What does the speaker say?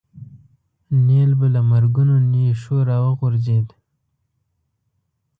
نیل به له مرګونو نېشو راوغورځېد.